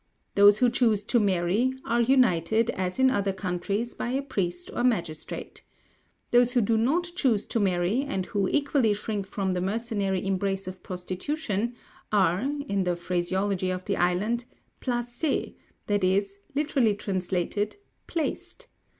"Those who choose to marry, are united, as in other countries, by a priest or magistrate. Those who do not choose to marry, and who equally shrink from the mercenary embrace of prostitution, are (in the phraseology of the island) placés: that is, literally translated, _placed.